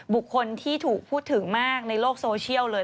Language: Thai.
บุคคลที่ถูกพูดถึงมากในโลกโซเชียลเลย